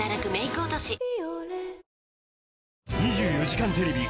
『２４時間テレビ』